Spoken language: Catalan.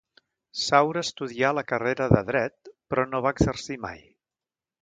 Saura estudià la carrera de Dret, però no va exercir mai.